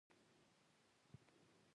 فېسبوک د ژوند د هرې برخې عکس دی